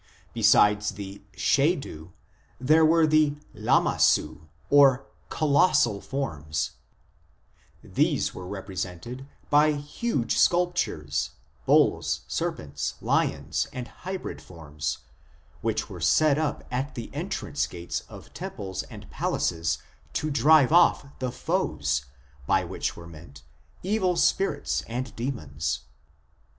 Besides the Shedu there were the Lamassu, or " Colossal forms "; these were represented by huge sculp tures bulls, serpents, lions, and hybrid forms, which were set up at the entrance gates of temples and palaces to drive off " the foes," by which were meant evil spirits and demons.